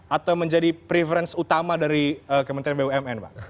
atau menjadi preference utama dari menteri bumn